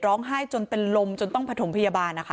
ร้องไห้จนเป็นลมจนต้องผสมพยาบาลนะคะ